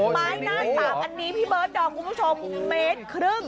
ไม้หน้าสามอันนี้พี่เบิร์ดดอมคุณผู้ชมเมตรครึ่ง